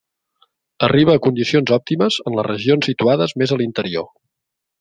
Arriba a condicions òptimes en les regions situades més a l'interior.